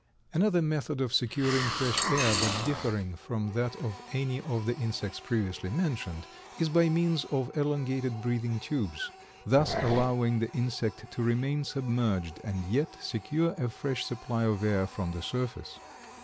Another method of securing fresh air, but differing from that of any of the insects previously mentioned, is by means of elongated breathing tubes, thus allowing the insect to remain submerged and yet secure a fresh supply of air from the surface.